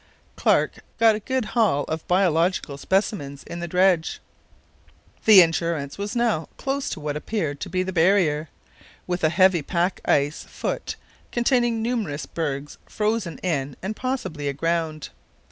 Clark got a good haul of biological specimens in the dredge. The Endurance was now close to what appeared to be the barrier, with a heavy pack ice foot containing numerous bergs frozen in and possibly aground.